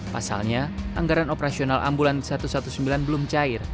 pasalnya anggaran operasional ambulans satu ratus sembilan belas belum cair